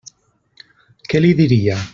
Què li diria?